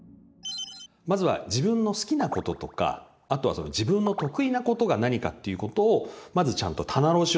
まずは自分の好きなこととかあとはその自分の得意なことが何かっていうことをまずちゃんと棚卸しをすること。